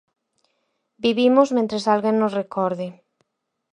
Vivimos mentres alguén nos recorde.